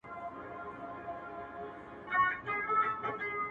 تیاره وریځ ده ـ باد دی باران دی ـ